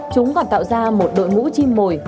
chúng còn tạo ra một đội ngũ chim mồi